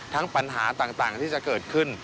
ปัญหาต่างที่จะเกิดขึ้น